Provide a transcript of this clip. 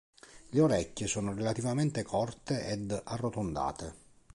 Le orecchie sono relativamente corte ed arrotondate.